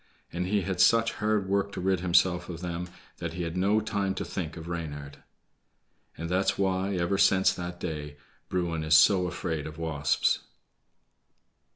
And he had such hard work to rid himself of them that he had no time to think of Reynard. And that's why, ever since that day, Bruin is so afraid of wasps.